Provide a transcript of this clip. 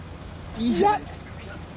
いいじゃないですか美羽さん。